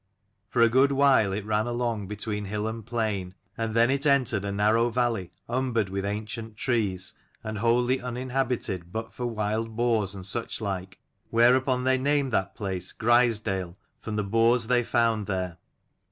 For a good while it ran along between hill and plain ; and then it entered a narrow valley umbered with ancient trees, and wholly uninhabited but for wild boars and such like, whereupon they named that place Grisdale, from the boars they found there.